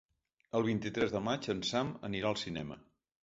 El vint-i-tres de maig en Sam anirà al cinema.